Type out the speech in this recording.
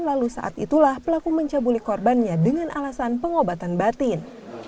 lalu saat itulah pelaku mencabuli korbannya dengan alasan pengobatan batin